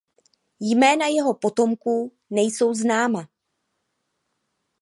Jména jeho potomků nejsou známa.